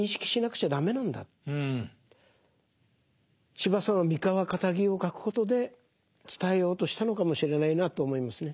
司馬さんは三河かたぎを書くことで伝えようとしたのかもしれないなと思いますね。